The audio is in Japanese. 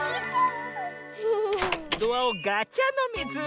ドアをガチャのミズ！